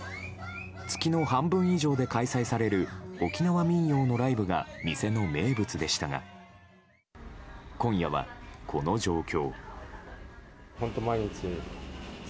月の半分以上で開催される沖縄民謡のライブが店の名物でしたが今夜はこの状況。